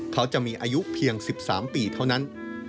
เขาจะมีอายุเพียง๑๓ปีเท่านั้น